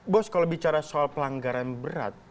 bos kalau bicara soal pelanggaran berat